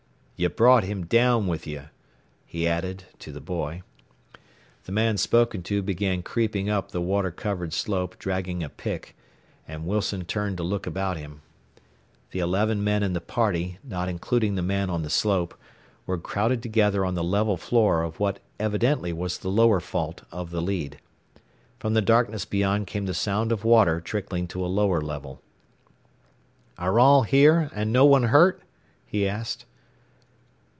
"You brought him down with you," he added, to the boy. The man spoken to began creeping up the water covered slope dragging a pick, and Wilson turned to look about him. The eleven men in the party, not including the man on the slope, were crowded together on the level floor of what evidently was the lower fault of the lead. From the darkness beyond came the sound of water trickling to a lower level. "Are all here, and no one hurt?" he asked.